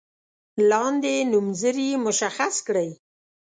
لاندې نومځري مشخص کړئ.